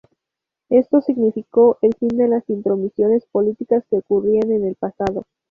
Esto significó el fin de las intromisiones políticas que ocurrían en el pasado.